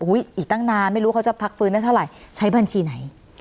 อีกตั้งนานไม่รู้เขาจะพักฟื้นได้เท่าไหร่ใช้บัญชีไหน